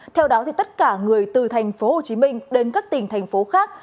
theo đó tất cả người từ tp hcm đến các tỉnh thành phố khác